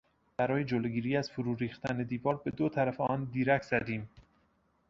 برای جلوگیری از فروریختن دیوار به دو طرف آن دیرک زدیم.